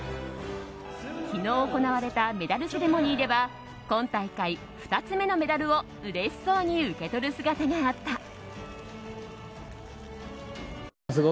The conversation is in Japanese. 昨日行われたメダルセレモニーでは今大会２つ目のメダルをうれしそうに受け取る姿があった。